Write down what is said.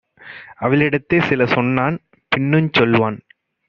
அவளிடத்தே சிலசொன்னான். பின்னுஞ் சொல்வான்: